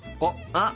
あっ！